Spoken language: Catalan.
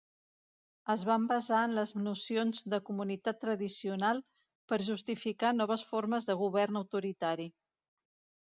Es van basar en les nocions de comunitat tradicional per justificar noves formes de govern autoritari.